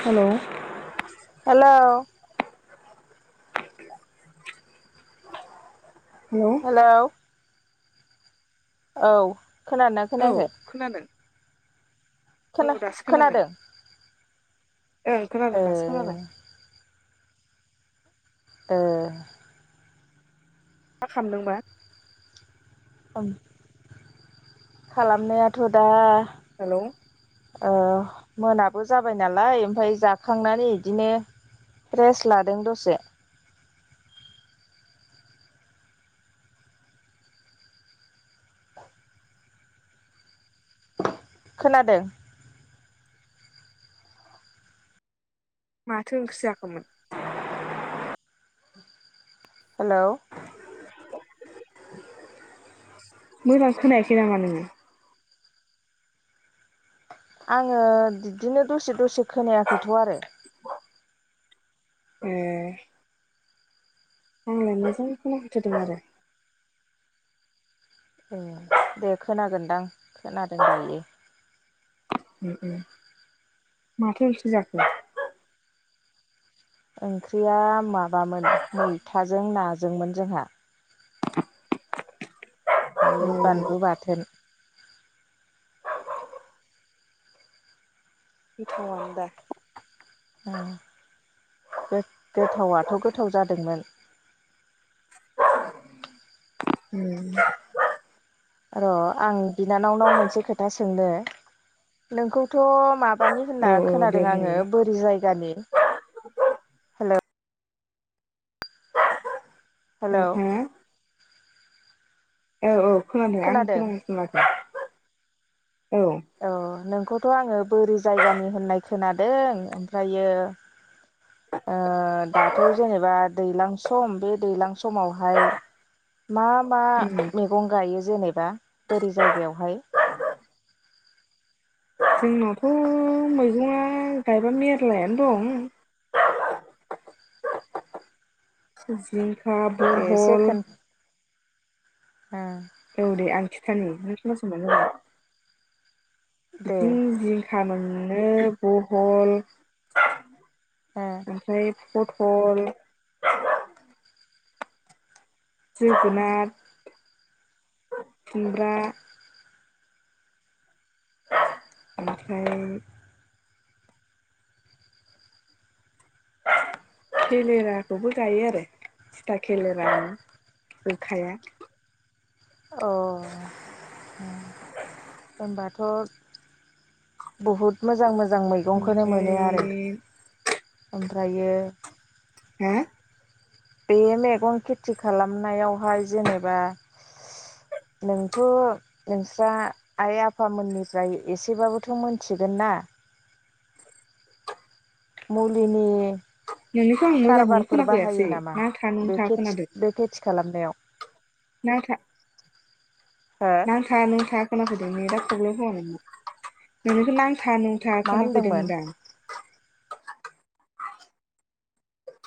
हेल' हेल' [inaudible] hello औ खोनादोंना औ खोनायाखै खोनादों औ खोना दासो खोनादों? ओं खोनादों ओ दासो खोनाबाय ए मा खामदोंबा? ओम खालामनायाथ' दा हेलौ ओह मोनाबो जाबाय नालाय ओमफाय जाखांनानै इदिनो रेस्ट लादों दसे। खोनादो? माथो ओंख्रि जाखोमोन? हेलौ मोजां खोनायाखै नामा नोङो? आङो बिदिनो दसे दसे खोनायाखैथ' आरो। एह। आंलाय मोजांखोना फैथारदों आरो। एह दे खोनागोनदां खोनादों दायो। माथो ओंख्रि जाखो? ओंख्रिया माबामोन मैथाजों नाजोंमोन जोंहा। ओमफाय ओ बानलु बाथोन। गोथाव आनोदा ओ गोद-गोथावथ' गोथाव जादोंमोन। [inaudible] उम र' आं बिनानावनाव मोनसे खोथा सोंनो। नोंखौथ' माबानि औ होनना औ दे खोनादों बुंलाय आङो बोरि जायगानि हेलौ? ओ हेलौ हो औ औ खोनादों आं खोनागासिनो माथो। औ औ नोंखौथ' आङो बोरि जायगानि होननाय खोनादों ओमफ्रायो ओ दाथ' जेनेबा दैलां सम बे दैलां समावहाय मा मा उम मेगं गायो जेनेबा बोरि जायगायावहाय? जोंनावथ' मैगंआ गायबा मेरलायानो दं। [unintelligible] [unintelligible] एह बहल सेखोनद औ दे आं खिथानि नों खोनासंबानो जाबाय दे बिदि जिं खा मोननो बहल ओमफ्राय फटल, जोगोनाद, खुमब्रा, ओमफ्राय खेलेराखौबो गायो आरो थिथा खेलेरा गोग्खाया। अह ओ होनबाथ' बहुद मोजां मोजां मैगंखोनो मोनो आरो ओमफ्राय ओमफ्रायो आ? बे मैगं खेथि खालामनायावहाय जेनेबा [unintelligible] नोंथ' नोंस्रा आइ आफामोननिफ्राय एसेबाबोथ' मोनथिगोन ना मुलिनि नोंनिखौ आं मोजांखौनो खारबारफोर खोनाफैयासै बाहायो नामा नांथा बे नुंथा खोनादों खेथि बे खेथि खालामनायाव? नांथा हो नांथा नुंथा खोनाफैदोंलै जा प्रब्लेम खोनादों नोंना नों [unintelligible] था नुंथा मा खोनाफैदों होनदोंमोन होनदां